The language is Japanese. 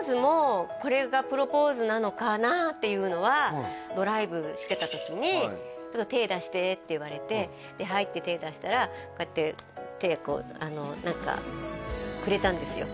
プロポーズもっていうのはドライブしてた時に「ちょっと手出して」って言われてで「はい」って手出したらこうやって手こう何かくれたんですよ